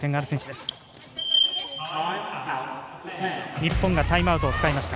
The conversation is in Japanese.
日本がタイムアウトを使いました。